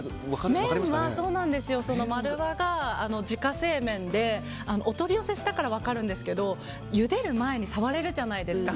麺は丸和が自家製麺でお取り寄せしたから分かるんですけどゆでる前に触れるじゃないですか。